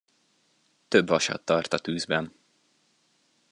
Több vasat tart a tűzben.